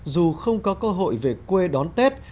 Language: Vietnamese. dù không có cơ hội về quê đón tết